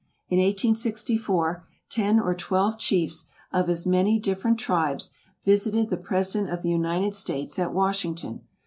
In 1864, ten or twelve chiefs of as many different tribes, visited the President of the United States at Washington.